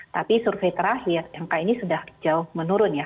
tapi survei terakhir angka ini sudah jauh menurun ya